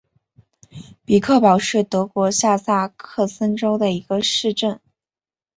比克堡是德国下萨克森州的一个市镇。